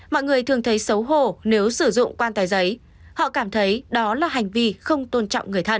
mọi người thường thấy xấu hồ nếu sử dụng quan tài giấy họ cảm thấy đó là hành vi không tôn trọng người thân